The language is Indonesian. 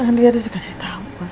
nanti harus kasih tau